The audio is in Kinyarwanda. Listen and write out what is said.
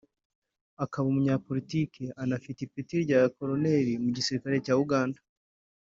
akaba umunyapolitike anafite ipeti rya Koloneri mu gisirikare cya Uganda